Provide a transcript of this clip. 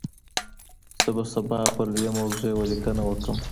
زه به سبا په دې موضوع يوه ليکنه وکړم.